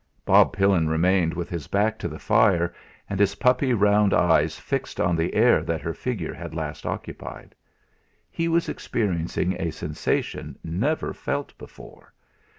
Bob Pillin remained with his back to the fire and his puppy round eyes fixed on the air that her figure had last occupied. He was experiencing a sensation never felt before.